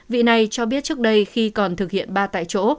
vị này cho biết trước đây khi còn thực hiện ba tại chỗ